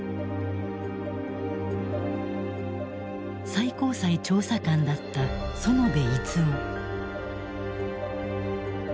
最高裁調査官だった園部逸夫。